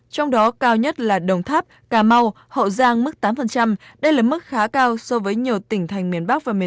trong đó cao nhất là đồng tháp cà mau hậu giang mức tám đây là mức khá cao so với nhiều tỉnh thành miền bắc và miền trung